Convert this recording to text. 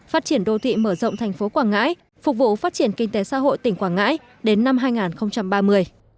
phát triển đô thị mở rộng thành phố quảng ngãi phục vụ phát triển kinh tế xã hội tỉnh quảng ngãi đến năm hai nghìn ba mươi